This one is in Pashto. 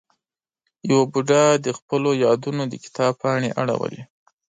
یوه بوډا د خپلو یادونو د کتاب پاڼې اړولې.